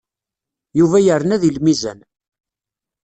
Yuba yerna deg lmizan.